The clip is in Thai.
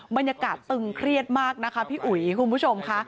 บรรยากาศตึงเครียดมากนะคะพี่อุ๋ยคุณผู้ชมค่ะ